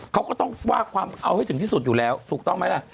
เขาก็ต้องว่าความเอาให้ถึงที่สุดอยู่แล้วถูกต้องไหมล่ะ